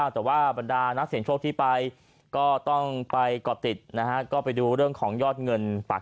แต่ว่าบรรดานักเสียงโชคที่ไปก็ต้องไปก่อติดนะฮะก็ไปดูเรื่องของยอดเงินปาก